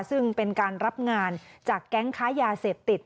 ซึ่งเป็นการรับงานจากแก๊งค้ายาเสพติด